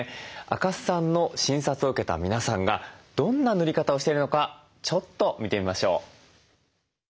赤須さんの診察を受けた皆さんがどんな塗り方をしているのかちょっと見てみましょう。